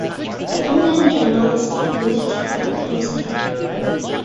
The online journal is published three times a year.